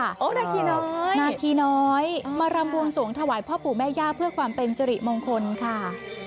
นาคีน้อยนาคีน้อยมารำบวงสวงถวายพ่อปู่แม่ย่าเพื่อความเป็นสิริมงคลค่ะ